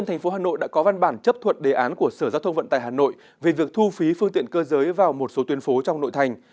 thành phố hà nội đã có văn bản chấp thuận đề án của sở giao thông vận tải hà nội về việc thu phí phương tiện cơ giới vào một số tuyến phố trong nội thành